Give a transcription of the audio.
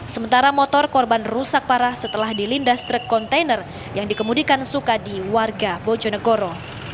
sementara motor korban rusak parah setelah dilindas truk kontainer yang dikemudikan sukadi warga bojonegoro